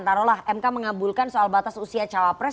taruh lah mk mengabulkan soal batas usia cawapres